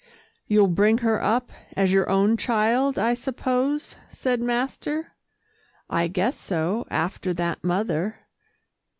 "You'll bring her up as your own child, I suppose," said master. "I guess so after that mother."